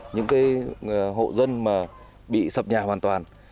những hộ dân bị sập nhà hoàn toàn